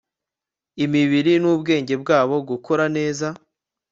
imibiri n'ubwenge bwabo gukura neza